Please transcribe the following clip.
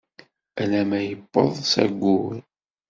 Alamma yewweḍ s ayyur.